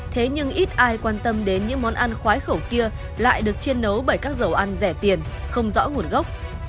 thế nhưng ít ai quan tâm đến những món ăn khoái khẩu kia lại được chi nấu bởi các dầu ăn rẻ tiền không rõ nguồn gốc